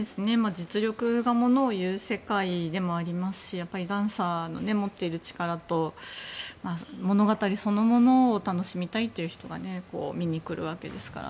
実力が物を言う世界でもありますしダンサーが持っている力と物語そのものを楽しみたいっていう人が見に来るわけですから。